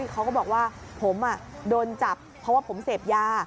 เขาก็บอกว่าผมโดนจับเพราะว่าผมเสพยา